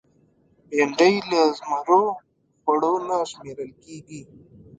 بېنډۍ له زمرو خوړو نه شمېرل کېږي